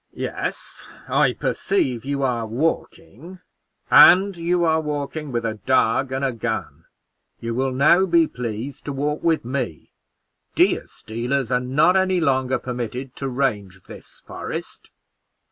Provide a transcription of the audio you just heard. "Yes, I perceive you are walking, and you are walking with a dog and a gun: you will now be pleased to walk with me. Deer stealers are not any longer permitted to range this forest."